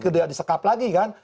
disekap lagi kan